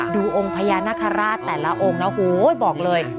ดูองค์พญานาคาราชแต่ละองค์นะโหยบอกเลย